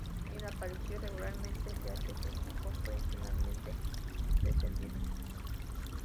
Él apareció regularmente ya que su equipo fue finalmente descendido.